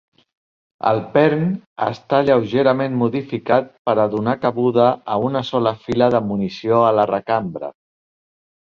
El pern està lleugerament modificat per a donar cabuda a una sola fila de munició a la recambra.